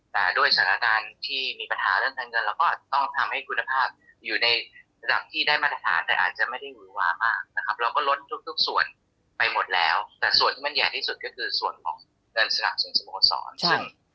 แต่ด้วยสถานการณ์ที่มีปัญหาเรื่องการเงินเราก็อาจจะต้องทำให้คุณภาพอยู่ในระดับที่ได้มาตรฐานแต่อาจจะไม่ได้หือวามากนะครับเราก็ลดทุกส่วนไปหมดแล้วแต่ส่วนที่มันใหญ่ที่สุดก็คือส่วนของเงินสนับสนุนสโมสรซึ่ง